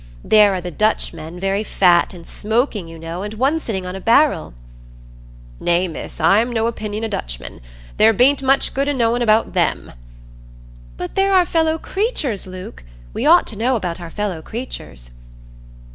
There are the Dutchmen, very fat, and smoking, you know, and one sitting on a barrel." "Nay, Miss, I'n no opinion o' Dutchmen. There ben't much good i' knowin' about them." "But they're our fellow creatures, Luke; we ought to know about our fellow creatures."